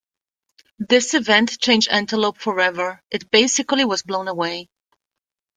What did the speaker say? This event changed Antelope forever - it basically was blown away.